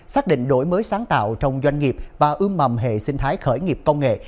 xác định đổi mới sáng tạo trong doanh nghiệp và ưm mầm hệ sinh thái khởi nghiệp công nghệ